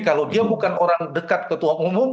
kalau dia bukan orang dekat ketua umum